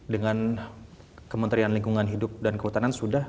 dengan kementerian lingkungan hidup dan kehutanan sudah